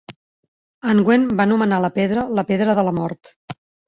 Anwen va anomenar la pedra "la pedra de la mort".